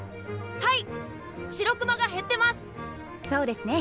はい！